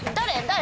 誰？